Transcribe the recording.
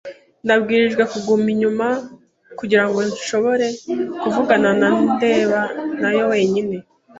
[S] Nabwirijwe kuguma inyuma kugirango nshobore kuvugana na ndeba nayo wenyine.